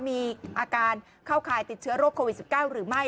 มีอาการเข้าข่ายติดเชื้อโรคโควิด๑๙หรือไม่